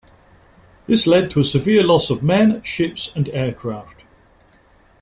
This led to a severe loss of men, ships, and aircraft.